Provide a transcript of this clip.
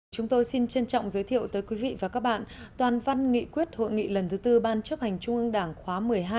chúng tôi xin trân trọng giới thiệu tới quý vị và các bạn toàn văn nghị quyết hội nghị lần thứ tư ban chấp hành trung ương đảng khóa một mươi hai